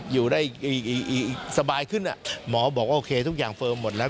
อยู่ได้สบายขึ้นหมอบอกว่าโอเคทุกอย่างเฟิร์มหมดแล้ว